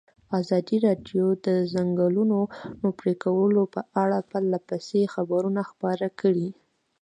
ازادي راډیو د د ځنګلونو پرېکول په اړه پرله پسې خبرونه خپاره کړي.